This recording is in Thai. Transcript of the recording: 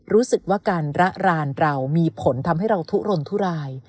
รู้สึกว่าการระรานเรามีผลทำให้เราทุรนทุราย